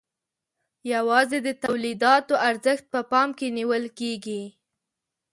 یوازې د تولیداتو ارزښت په پام کې نیول کیږي.